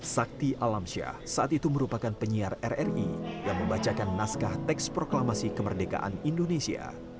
sakti alamsyah saat itu merupakan penyiar rri yang membacakan naskah teks proklamasi kemerdekaan indonesia